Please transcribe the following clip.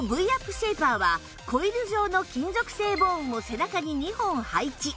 シェイパーはコイル状の金属製ボーンを背中に２本配置